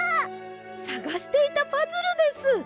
さがしていたパズルです！